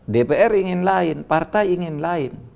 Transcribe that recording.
dpr ingin lain partai ingin lain